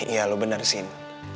iya lo bener sin